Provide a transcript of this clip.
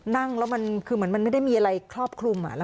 นั่งแล้วมันคือเหมือนมันไม่ได้มีอะไรครอบคลุม